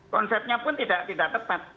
konsepnya pun tidak tepat